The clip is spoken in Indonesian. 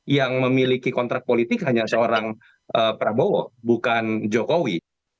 yang memiliki kontrak politik hanya seorang prabowo bukan jokowi